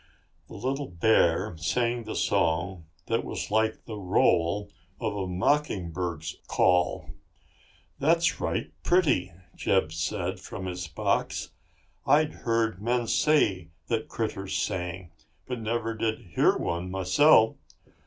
The little bear sang the song that was like the roll of a mockingbird's call. "That's right pretty," Jeb said from his box. "I'd heard men say that the critters sang, but never did hear one myself.